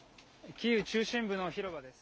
キーウ中心部の広場です。